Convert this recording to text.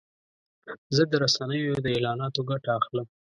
زه د رسنیو د اعلاناتو ګټه اخلم.